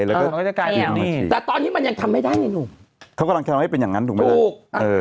แต่ตอนนี้มันยังทำไม่ได้เนี่ยหนูเค้ากำลังทำให้เป็นอย่างนั้นถูก